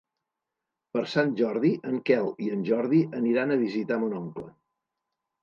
Per Sant Jordi en Quel i en Jordi aniran a visitar mon oncle.